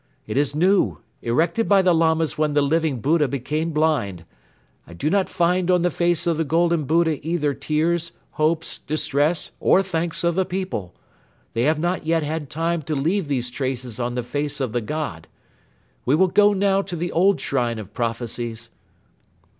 It is new, erected by the Lamas when the Living Buddha became blind. I do not find on the face of the golden Buddha either tears, hopes, distress or thanks of the people. They have not yet had time to leave these traces on the face of the god. We shall go now to the old Shrine of Prophecies."